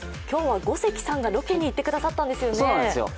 今日は五関さんがロケに行ってくださったんですよね。